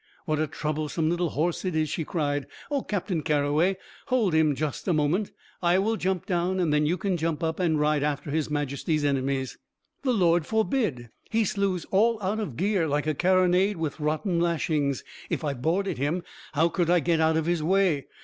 "What a troublesome little horse it is!" she cried. "O Captain Carroway, hold him just a moment. I will jump down, and then you can jump up, and ride after all his Majesty's enemies." "The Lord forbid! He slews all out of gear, like a carronade with rotten lashings. If I boarded him, how could I get out of his way?